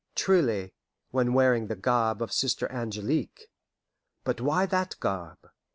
Truly, when wearing the garb of the Sister Angelique. But why that garb?